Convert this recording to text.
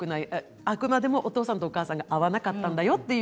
あくまでもお父さんとお母さんが合わなかったんだよという。